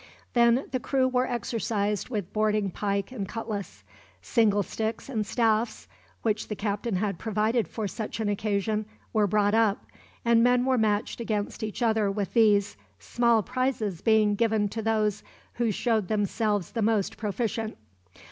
Then the crew were exercised with boarding pike and cutlass. Singlesticks and staffs, which the captain had provided for such an occasion, were brought up; and men were matched against each other with these small prizes being given to those who showed themselves the most proficient.